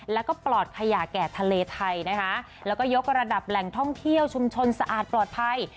แล้วก็ปลอดขยะแก่ทะเลไทยนะคะแล้วก็ยกระดับแหล่งท่องเที่ยวชุมชนสะอาดปลอดภัย